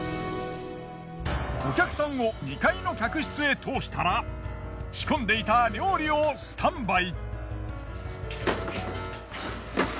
お客さんを２階の客室へ通したら仕込んでいた料理をスタンバイ。